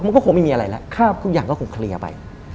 มันก็คงไม่มีอะไรแล้วทุกอย่างก็คงเคลียร์ไป